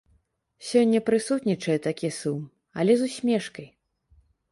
Сёння прысутнічае такі сум, але з усмешкай.